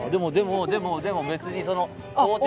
でもでも別に鋼鉄。